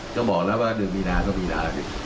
ก็บอกแล้วว่าเดือนมีนาก็มีดาวสิ